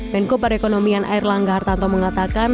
menko perekonomian air langga hartanto mengatakan